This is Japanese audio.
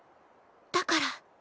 だから。